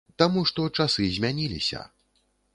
Таму што часы змяніліся.